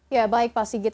ya baik pak sigit